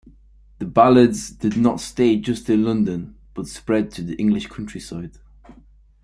The ballads did not stay just in London but spread to the English countryside.